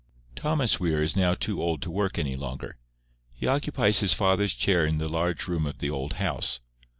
Thomas Weir is now too old to work any longer. He occupies his father's chair in the large room of the old house.